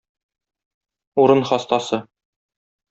Урын хастасы.